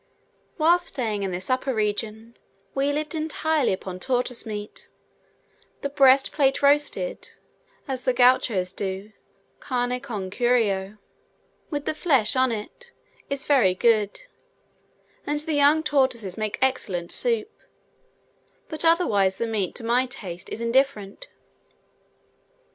While staying in this upper region, we lived entirely upon tortoise meat: the breast plate roasted (as the Gauchos do carne con cuero), with the flesh on it, is very good; and the young tortoises make excellent soup; but otherwise the meat to my taste is indifferent.